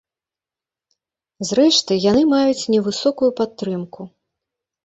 Зрэшты, яны маюць невысокую падтрымку.